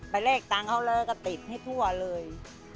ไปเรียกตังก็ติดให้ถั่วเลย